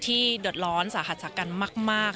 ที่เดิดร้อนสาหัสสักันมาก